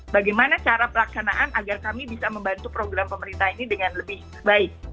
bagaimana cara pelaksanaan agar kami bisa membantu program pemerintah ini dengan lebih baik